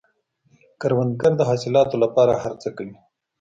کروندګر د حاصل له پاره هر څه کوي